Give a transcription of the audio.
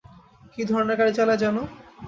কী ধরণের গাড়ি চালায় যেন?